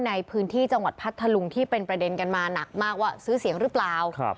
ในพื้นที่จังหวัดพัทธลุงที่เป็นประเด็นกันมาหนักมากว่าซื้อเสียงหรือเปล่า